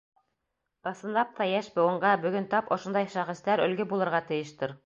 Ысынлап та, йәш быуынға бөгөн тап ошондай шәхестәр өлгө булырға тейештер.